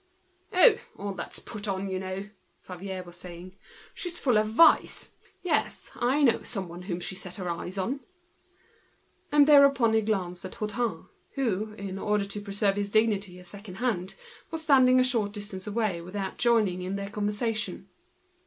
"Oh! all that's put on, you know," Favier was saying. "She's full of vice! Yes, I know someone she wanted to take by force." And he looked at Hutin, who, in order to preserve his dignity as second hand, was standing a certain distance apart, without joining in their conversation.